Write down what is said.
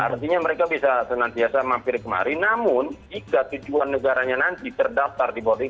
artinya mereka bisa senantiasa mampir kemari namun jika tujuan negaranya nanti terdaftar di bawah ini